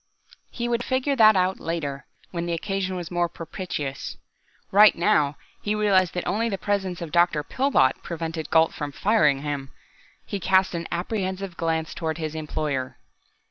He would figure that out later, when the occasion was more propitious. Right now, he realized that only the presence of Dr. Pillbot prevented Gault from firing him. He cast an apprehensive glance toward his employer.